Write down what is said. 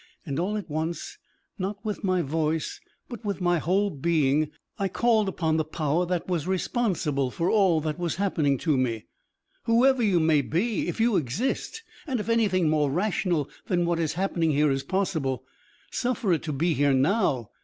And all at once, not with my voice, but with my whole being, I called upon the power that was responsible for all that was happening to me: "Whoever you may be, if you exist, and if anything more rational than what is happening here is possible, suffer it to be here now.